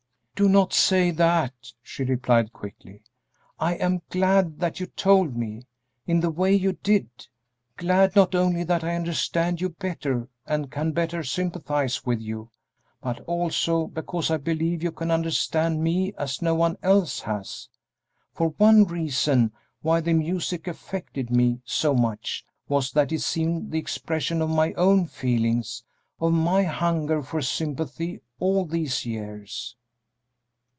"Do not say that," she replied, quickly; "I am glad that you told me, in the way you did; glad not only that I understand you better and can better sympathize with you, but also because I believe you can understand me as no one else has; for one reason why the music affected me so much was that it seemed the expression of my own feelings, of my hunger for sympathy all these years."